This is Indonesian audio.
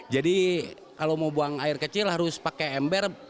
jadi kalau mau buang air kecil harus pakai ember